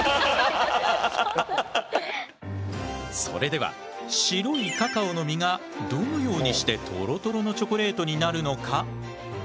それでは白いカカオの実がどのようにしてトロトロのチョコレートになるのか？